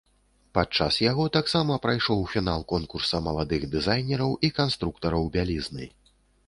Падчас яго таксама прайшоў фінал конкурса маладых дызайнераў і канструктараў бялізны.